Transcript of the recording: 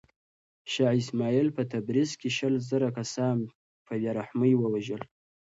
شاه اسماعیل په تبریز کې شل زره کسان په بې رحمۍ ووژل.